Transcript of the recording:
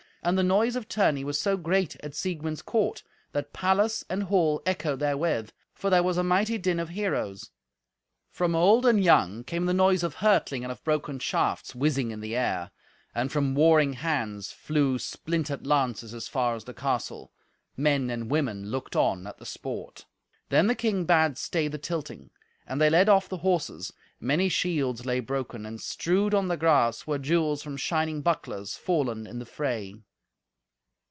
And the noise of tourney was so great at Siegmund's court that palace and hall echoed therewith, for there was a mighty din of heroes. From old and young came the noise of hurtling and of broken shafts whizzing in the air; and from warring hands flew splintered lances as far as the castle; men and women looked on at the sport. Then the king bade stay the tilting. And they led off the horses. Many shields lay broken, and, strewed on the grass, were jewels from shining bucklers, fallen in the fray.